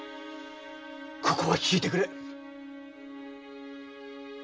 ここは引いてくれ。